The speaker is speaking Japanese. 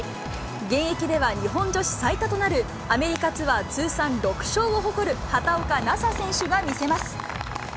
現役では日本女子最多となるアメリカツアー通算６勝を誇る畑岡奈紗選手が見せます。